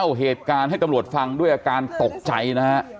เล่าเหตุการณ์ให้กำหลวดฟังด้วยอาการตกใจนะครับ